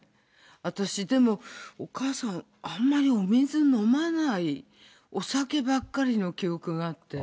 私、でも、お母さん、あんまりお水飲まない、お酒ばっかりの記憶があって。